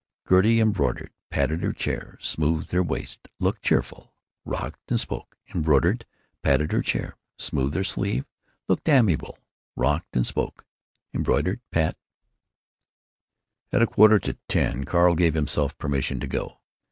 Gertie embroidered, patted her hair, smoothed her waist, looked cheerful, rocked, and spoke; embroidered, patted her hair, smoothed her sleeve, looked amiable, rocked, and spoke—embroidered, pat—— At a quarter to ten Carl gave himself permission to go.